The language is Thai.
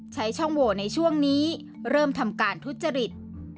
ใช้ช่องโหวในช่วงนี้เริ่มทำการทุจริต